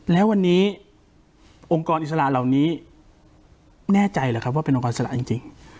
แล้ววันนี้องค์กรอิสระเหล่านี้แน่ใจหรือครับว่าเป็นองค์กรอิสระจริง